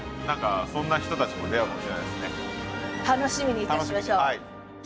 楽しみにいたしましょう。